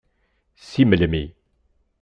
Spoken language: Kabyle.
Si melmi.